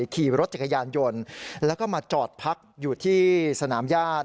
ขี่รถจักรยานยนต์แล้วก็มาจอดพักอยู่ที่สนามญาติ